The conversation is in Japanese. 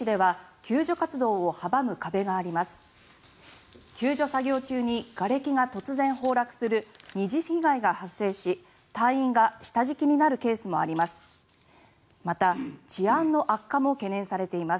救助作業中にがれきが突然、崩落する二次被害が発生し隊員が下敷きになるケースもあります。